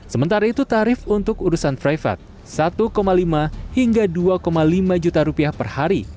sementara itu tarif untuk urusan privat satu lima hingga dua lima juta rupiah per hari